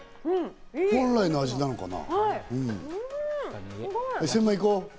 本来の味なのかな？